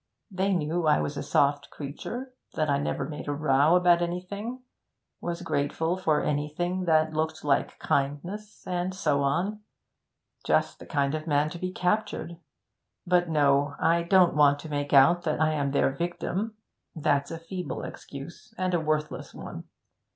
They knew I was a soft creature that I never made a row about anything was grateful for anything that looked like kindness and so on. Just the kind of man to be captured. But no I don't want to make out that I am their victim; that's a feeble excuse, and a worthless one.